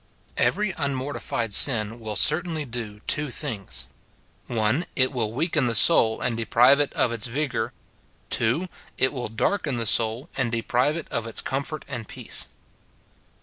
Every unmortified sin will certainly do two things :— [1.] It will weaken the soul, and deprive it of its vigour. [2.] It will darken the soul, and deprive it of its com fort and peace.